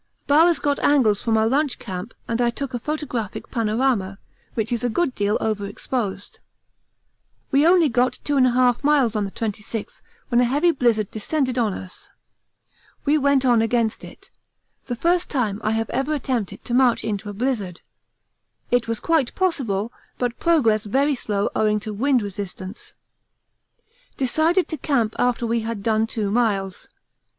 Bowers got angles from our lunch camp and I took a photographic panorama, which is a good deal over exposed. We only got 2 1/2 miles on the 26th when a heavy blizzard descended on us. We went on against it, the first time I have ever attempted to march into a blizzard; it was quite possible, but progress very slow owing to wind resistance. Decided to camp after we had done two miles.